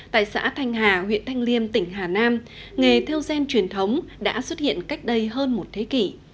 tại xã thanh hà huyện thanh liêm tỉnh hà nam nghề theo gen truyền thống đã xuất hiện cách đây hơn một thế kỷ